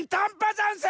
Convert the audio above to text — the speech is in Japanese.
ざんす！